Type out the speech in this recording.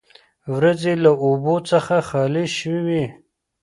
وریځې له اوبو څخه خالي شوې وې.